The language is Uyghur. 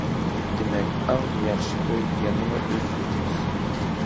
دېمەك، ئەڭ ياخشى ئۆي يەنىلا ئۆز ئۆيىمىز.